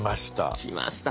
きました。